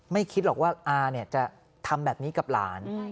ไม่คิดหรอกว่าอาเนี่ยจะทำแบบนี้กับหลาน